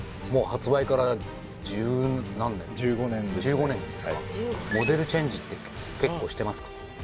もう１５年ですかモデルチェンジって結構してますか？